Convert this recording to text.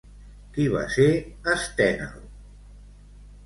Qui va ser Estènel?